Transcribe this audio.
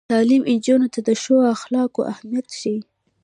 تعلیم نجونو ته د ښو اخلاقو اهمیت ښيي.